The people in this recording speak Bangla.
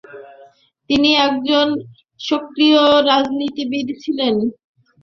তিনি একজন সক্রিয় রাজনীতিবিদ ছিলেন এবং শিল্পস্থাপনে উল্লেখযোগ্য অবদান রেখেছিলেন ।